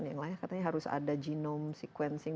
yang lain katanya harus ada genome sequencing